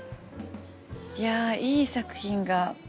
いやいい作品が。